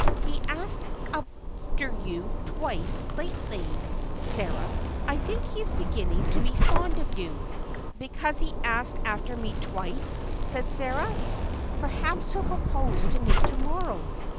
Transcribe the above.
He's asked after you twice lately, Sarah. I think he's beginning to be fond of you." "Because he asked after me twice?" said Sarah. "Perhaps he'll propose to me to morrow."